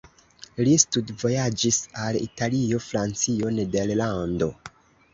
Li studvojaĝis al Italio, Francio, Nederlando.